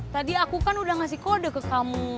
tadi aku kan udah ngasih kode ke kamu